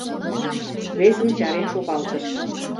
Весым чарен шогалтыш.